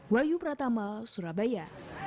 wayu pratama surabaya